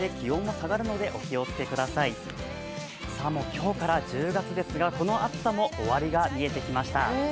今日から１０月ですが、この暑さも終わりが見えてきました。